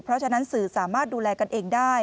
เพราะฉะนั้นสื่อสามารถดูแลกันเองได้